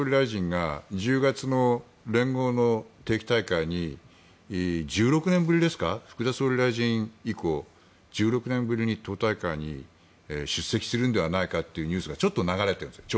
アメリカだけじゃなくて日本でも岸田総理大臣が１０月の連合の定期大会に１６年ぶりですか福田総理大臣以降１６年ぶりに党大会に出席するのではないかというニュースが流れてるんですよ。